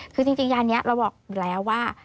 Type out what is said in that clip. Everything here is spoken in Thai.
คือจริงย่านี้เราบอกแล้วว่า